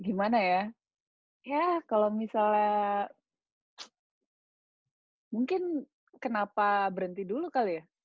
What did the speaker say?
gimana ya ya kalau misalnya mungkin kenapa berhenti dulu kali ya